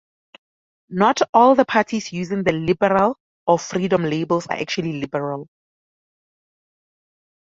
Not all the parties using the "Liberal" or "Freedom" labels are actually liberal.